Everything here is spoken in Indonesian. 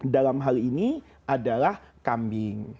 dalam hal ini adalah kambing